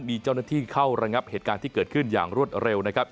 มีเจ้าหน้าที่เข้าระงับเหตุการณ์ที่เกิดขึ้นอย่างรวดเร็วนะครับ